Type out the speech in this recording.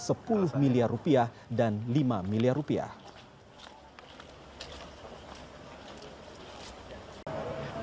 mereka mencari uang yang berbeda dengan uang yang diberikan oleh pemeriksaan